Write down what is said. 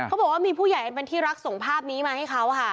เขาบอกว่ามีผู้ใหญ่อันเป็นที่รักส่งภาพนี้มาให้เขาค่ะ